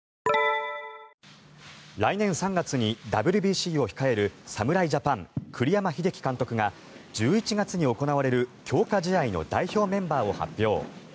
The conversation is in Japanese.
来年３月にＷＢＣを控える侍ジャパン、栗山英樹監督が１１月に行われる強化試合の代表メンバーを発表。